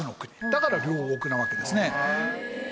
だから両国なわけですね。